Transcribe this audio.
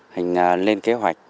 hình lên kế hoạch